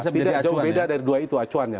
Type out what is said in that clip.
tidak jauh beda dari dua itu acuannya